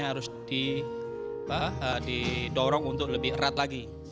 harus didorong untuk lebih erat lagi